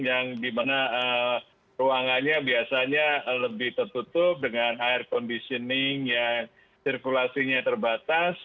yang dimana ruangannya biasanya lebih tertutup dengan air conditioning yang sirkulasinya terbatas